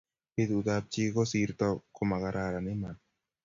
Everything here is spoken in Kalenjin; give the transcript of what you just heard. Betut ab chi kosirto ko makararan iman